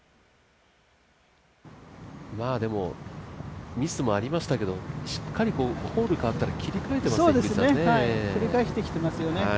でも、ミスもありましたけどしっかりホール変わったら切り替えてますよね。